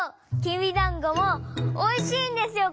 きびだんごもおいしいんですよ